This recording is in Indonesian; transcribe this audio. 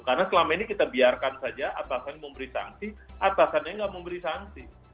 karena selama ini kita biarkan saja atasannya memberi sangsi atasannya tidak memberi sangsi